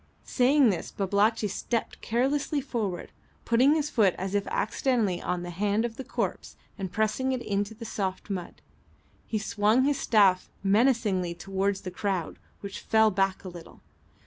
Saying this, Babalatchi stepped carelessly forward, putting his foot as if accidentally on the hand of the corpse and pressing it into the soft mud. He swung his staff menacingly towards the crowd, which fell back a little.